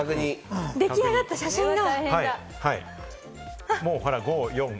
出来上がった写真が。